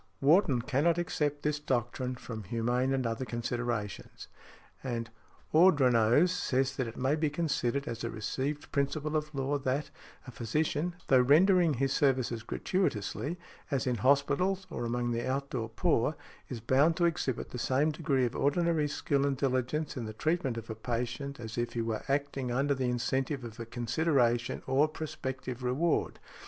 Wharton cannot accept this doctrine from humane and other considerations . And Ordronaux says that it may be considered as a received principle of law that, a physician, though rendering his services gratuitously, as in hospitals or among the out door poor, is bound to exhibit the same degree of ordinary skill and diligence in the treatment of a patient as if he were acting under the incentive of a consideration or prospective reward.